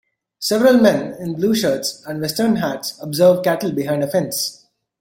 Several men in blue shirts and western hats observe cattle behind a fence.